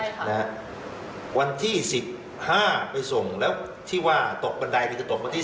เนี่ยครับวันที่๑๕ไปส่งแล้วที่ว่าตกบันไดตกวันที่๑๐